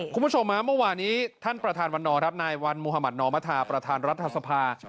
คุณผู้ชมฮะเมื่อวานี้ท่านประธานวันนอร์ครับนายวันมุธมัธนอมธาประธานรัฐสภา